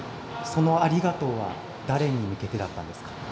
そのありがとうは誰に向けてだったんですか？